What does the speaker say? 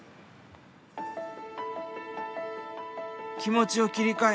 「気持ちを切り替え